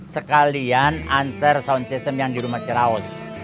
sekalian antar sound system yang di rumah ceraos